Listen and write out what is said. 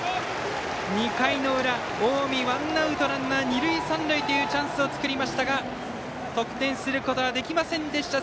２回の裏、近江ワンアウトランナー、二塁三塁のチャンスを作りましたが得点することはできませんでした。